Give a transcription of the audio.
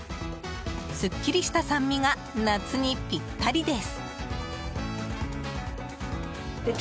すっきりした酸味が夏にぴったりです。